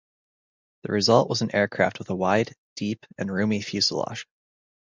The result was an aircraft with a wide, deep, and roomy fuselage.